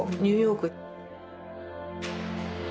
ニューヨーク。